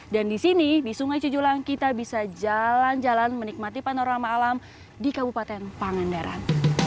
dan di sini di sungai cijulang kita bisa jalan jalan menikmati panorama alam di kabupaten pangandaran